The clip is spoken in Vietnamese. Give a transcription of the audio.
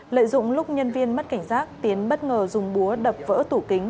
lợi dụng lúc nhân viên mất cảnh giác tiến bất ngờ dùng búa đập vỡ tủ kính